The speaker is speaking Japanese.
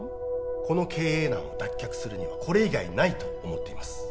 この経営難を脱却するにはこれ以外ないと思っています